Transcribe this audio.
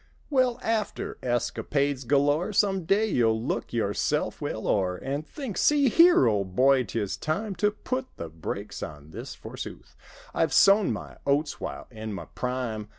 Well, after escapades galore. Some day you'll look yourself well o'er And think—"See here, old boy, 'tis time To put the brakes on this forsooth: I've sown my oats while in my prime.